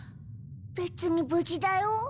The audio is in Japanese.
別に無事だよ。